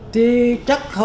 thì chắc họ